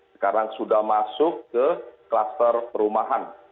sekarang sudah masuk ke kluster perumahan